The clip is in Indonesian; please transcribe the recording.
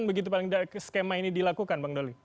begitu paling tidak skema ini dilakukan bang doli